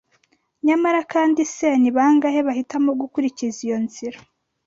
nyamara kandi se, ni bangahe bahitamo gukurikiza iyo nzira